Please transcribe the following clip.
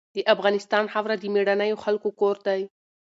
د افغانستان خاوره د مېړنیو خلکو کور دی.